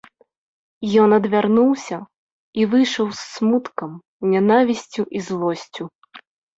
Ён адвярнуўся і выйшаў з смуткам, нянавісцю і злосцю.